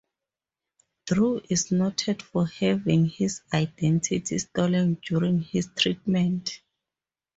Drew is noted for having his identity stolen during his treatment.